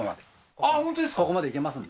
ああー本当ですか？